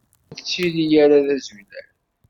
Ur ttili d azulal.